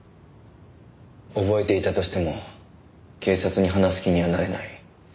覚えていたとしても警察に話す気にはなれない。